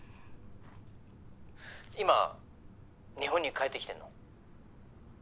いま日本に帰ってきてんの？